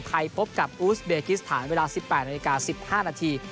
ไทยพบกับอูสเบรกิสถานเวลา๑๘นาที๑๕นาที